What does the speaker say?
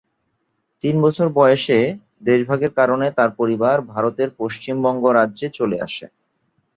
তিন বছর বয়েসে দেশভাগের কারণে তাঁর পরিবার ভারতের পশ্চিমবঙ্গ রাজ্যে চলে আসে।